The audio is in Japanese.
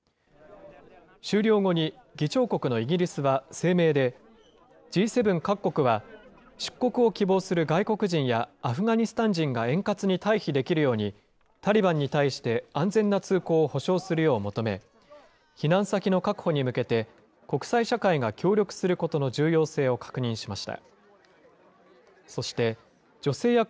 終了後に議長国のイギリスは声明で、Ｇ７各国は出国を希望する外国人やアフガニスタン人が円滑に退避できるように、タリバンに対して安全な通行を保障するよう求め、避難先の確保に向けて、国際社会が協力することの重要性を確認しました。